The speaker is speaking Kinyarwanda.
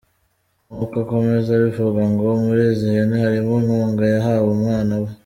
Nk’uko akomeza abivuga ngo muri izi hene harimo inkunga yahawe umwana we.